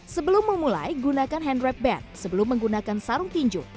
sebelum memulai gunakan hand wrap band sebelum menggunakan sarung tinju